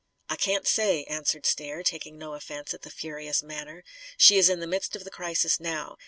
"I can't say," answered Stair, taking no offence at the furious manner. "She is in the midst of the crisis now.